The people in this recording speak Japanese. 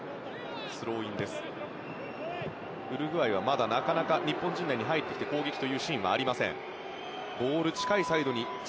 ウルグアイはまだなかなか日本陣内に入ってきて攻撃というシーンはありません。